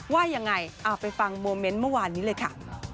ว่าอย่างไรเอาไปฟังเพลงเมื่อวานนี้เลยค่ะ